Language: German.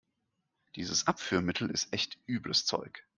Dieses Abführmittel ist echt übles Zeug.